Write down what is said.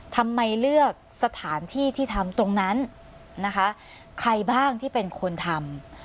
ทำไมเลือกสถานที่ที่ทำตรงนั้นนะคะใครบ้างที่เป็นคนทำ